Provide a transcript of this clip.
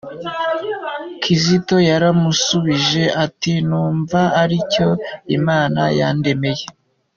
Kizito yaramusubije ati “Numva aricyo Imana yandemeye.”